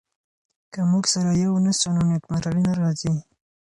که موږ سره يو نه سو نو نېکمرغي نه راځي.